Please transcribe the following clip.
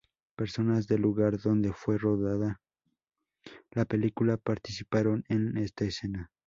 Personas del lugar donde fue rodada la película participaron en esta escena.